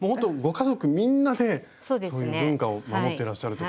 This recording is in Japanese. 家族みんなでそういう文化を守ってらっしゃるという。